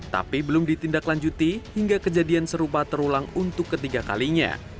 tapi belum ditindaklanjuti hingga kejadian serupa terulang untuk ketiga kalinya